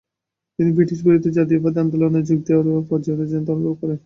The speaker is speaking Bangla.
তিনি ব্রিটিশ-বিরোধী জাতীয়তাবাদী আন্দোলনে যোগ দেওয়ার প্রয়োজনীয়তা অনুভব করেন।